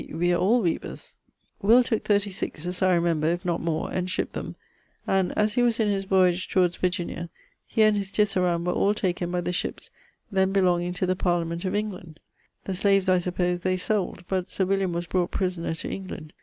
e. We are all weavers! Will. 36, as I remember, if notmore, and shipped them; and as he was in his voyage towards Virginia, he and his tisseran were all taken by the shippes then belonging to the Parliament of England. The slaves I suppose they sold, but Sir William was brought prisoner to England.